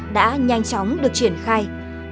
đã nhanh chóng được triển khai